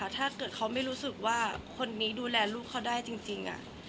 ถ้าเกิดเขาไม่รู้สึกว่าคนนี้ดูแลลูกเขาได้จริง